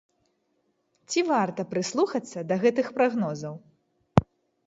Ці варта прыслухацца да гэтых прагнозаў?